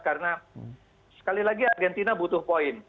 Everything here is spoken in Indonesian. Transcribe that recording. karena sekali lagi argentina butuh poin